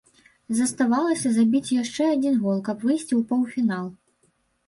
Заставалася забіць яшчэ адзін гол, каб выйсці ў паўфінал.